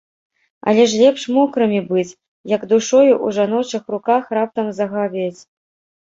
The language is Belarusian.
Але ж лепш мокрымі быць, як душою ў жаночых руках раптам загавець.